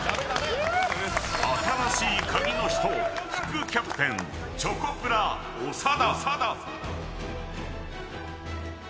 新しいカギの人副キャプテン、チョコプラ長田。